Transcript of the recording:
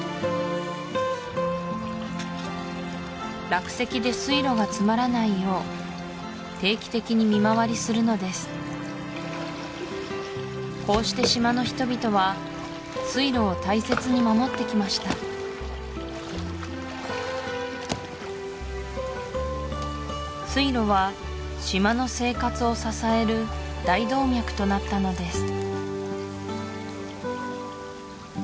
落石で水路が詰まらないよう定期的に見回りするのですこうして島の人々は水路を大切に守ってきました水路は島の生活を支える大動脈となったのです